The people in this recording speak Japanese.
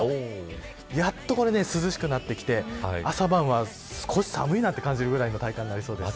やっと涼しくなってきて朝晩は少し寒いなと感じるくらいの体感になりそうです。